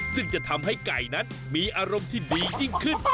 ซึ่งจะทำให้ไก่นั้นมีอารมณ์ที่ดียิ่งขึ้น